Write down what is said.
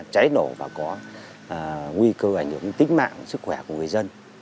cháy đổ và có nguy cơ ảnh hưởng tính mạng sức khỏe của người dân